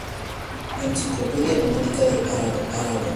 Enciclopedia temática de Aragón.